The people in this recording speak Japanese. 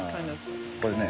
これね。